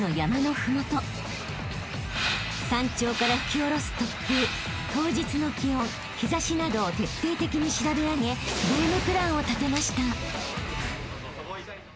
［山頂から吹き下ろす突風当日の気温日差しなどを徹底的に調べ上げゲームプランを立てました］